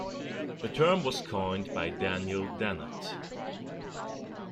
The term was coined by Daniel Dennett.